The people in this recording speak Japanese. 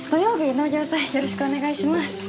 納涼祭よろしくお願いします。